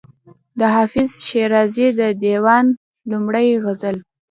د حافظ شیرازي د دېوان لومړی غزل.